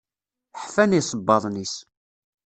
Ḥfan isebbaḍen-is.